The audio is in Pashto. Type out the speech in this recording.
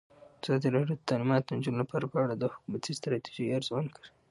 ازادي راډیو د تعلیمات د نجونو لپاره په اړه د حکومتي ستراتیژۍ ارزونه کړې.